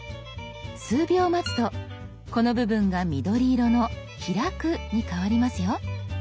数秒待つとこの部分が緑色の「開く」に変わりますよ。